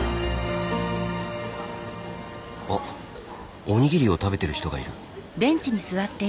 あっおにぎりを食べてる人がいる。